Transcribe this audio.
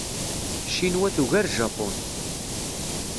Ccinwa tugar Japun.